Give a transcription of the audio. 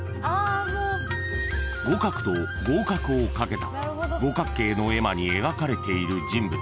［「五角」と「合格」を掛けた五角形の絵馬に描かれている人物］